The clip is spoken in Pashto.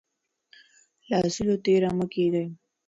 له اصولو تیر مه کیږئ.